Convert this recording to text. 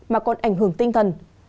mà còn ảnh hưởng tinh thần